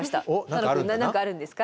楽くん何かあるんですか？